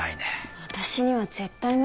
私には絶対無理です。